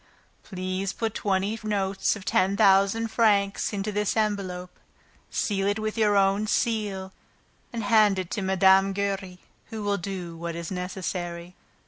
Please put twenty notes of a thousand francs each into this envelope, seal it with your own seal and hand it to Mme. Giry, who will do what is necessary.